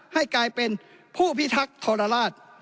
ให้กลายเป็นผู้พิทักษ์ทรราช